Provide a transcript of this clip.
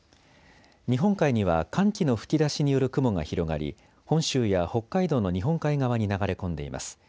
日本海には寒気の吹き出しによる雲が広がり、本州や北海道の日本海側に流れ込んでいます。